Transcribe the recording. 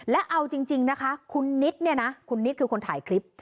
และเอาจริงนะคะคุณนิดเนี่ยนะคุณนิดคือคนถ่ายคลิป